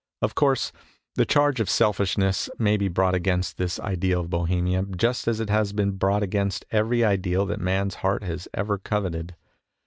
Of course, the charge of selfishness may be brought against this ideal of Bohemia, just as it has been brought against every ideal that man's heart has ever coveted.